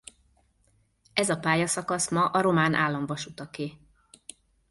Ez a pályaszakasz ma a Román Államvasutaké.